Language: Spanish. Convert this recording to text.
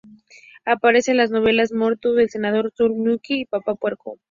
Aparece en las novelas "Mort, El Segador, Soul Music" y "Papá Puerco".